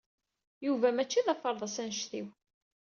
Yuba mačči d aferḍas anect-iw.